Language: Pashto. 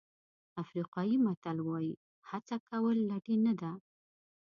افریقایي متل وایي هڅه کول لټي نه ده.